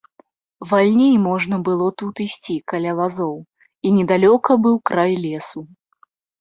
Вальней можна было тут ісці каля вазоў, і недалёка быў край лесу.